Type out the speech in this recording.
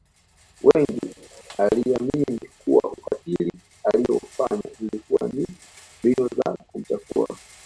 wengi waliamini kuwa ukatili aliyoufanya zilikuwa ni mbinu za kumchafua